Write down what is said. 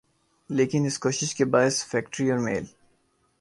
لیکن اس کوشش کے باعث فیکٹری اور میل